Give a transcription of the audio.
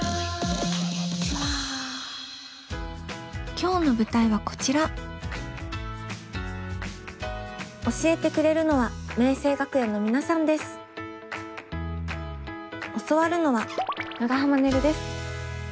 今日の舞台はこちら教えてくれるのは教わるのは長濱ねるです。